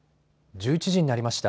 １１時になりました。